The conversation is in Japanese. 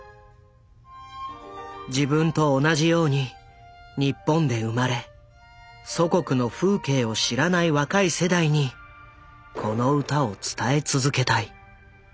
自分と同じように日本で生まれ祖国の風景を知らない若い世代にこの歌を伝え続けたい。